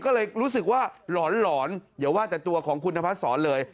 ก็เลยรู้สึกว่าหลอนหลอนเดี๋ยวว่าแต่ตัวของคุณภาพสอนเลย